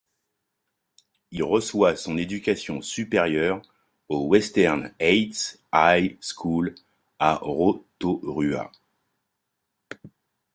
Il reçoit son éducation supérieure au Western Heights High School à Rotorua.